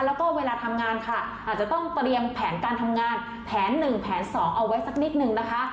แล้วก็เวลาทำงานค่ะอาจจะต้องเตรียมแผนการทำงานแผน๑แผน๒เอาไว้สักนิดนึงนะคะ